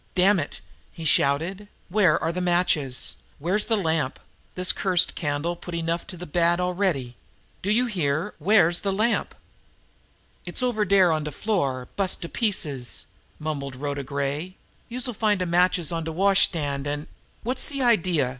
"Damn it!" he shouted. "Where are the matches? Where's the lamp? This cursed candle's put enough to the bad already! Do you hear? Where's the lamp?" "It's over dere on de floor, bust to pieces," mumbled Rhoda Gray. "Youse'll find the matches on de washstand, an " "What's the idea?"